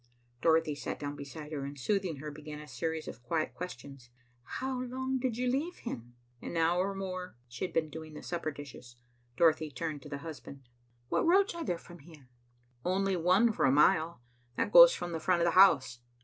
Dorothy sat down beside her, and, soothing her, began a series of quiet questions. "How long did you leave him?" "An hour or more." She had been doing the supper dishes. Dorothy turned to the husband. "What roads are there from here?" "Only one for a mile. That goes from the front of the house."